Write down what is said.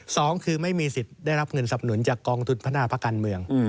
สองคือไม่มีสิทธิ์ได้รับเงินสับหนุนจากกองทุนพัฒนาภาคการเมือง